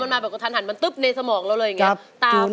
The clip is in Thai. มาแบบกระทันหันมันตึ๊บในสมองเราเลยอย่างนี้